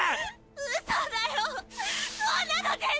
嘘だよっ！